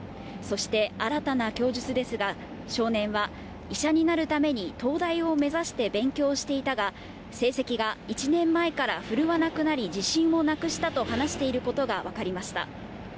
そして、新たな供述ですが、少年は、医者になるために東大を目指して勉強していたが、成績が１年前から振るわなくなり、自信をなくしたと話していることが分かりました。